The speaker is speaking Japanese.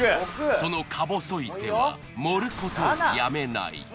そのか細い手は盛ることをやめない。